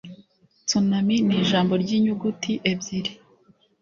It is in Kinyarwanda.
tsunami nijambo ry'inyuguti ebyiri.